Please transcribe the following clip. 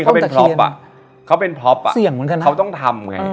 เขาเป็นพล็อปอ่ะเขาเป็นพล็อปอ่ะเสี่ยงเหมือนกันนะเขาต้องทำไง